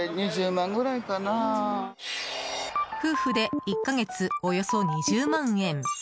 夫婦で１か月およそ２０万円。